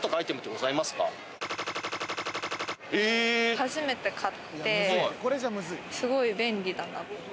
初めて買ってすごい便利だった。